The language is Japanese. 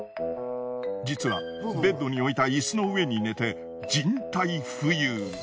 実はベッドに置いた椅子の上に寝て人体浮遊。